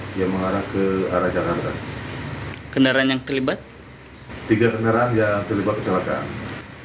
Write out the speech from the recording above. tiga kendaraan yang terlibat kecelakaan